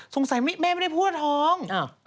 สงสัยแม่ไม่ได้พูดว่าท้อง